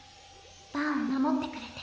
バンを守ってくれて。